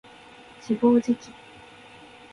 自暴自棄